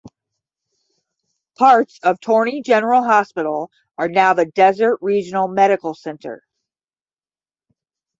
Parts of Torney General Hospital are now the Desert Regional Medical Center.